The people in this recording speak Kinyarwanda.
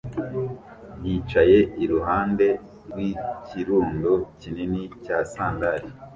yicaye iruhande rwikirundo kinini cya sandali